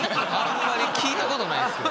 あんま聞いたことない。